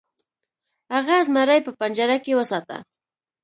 هغه زمری په پنجره کې وساته.